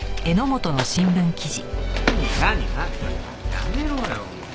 やめろよもう。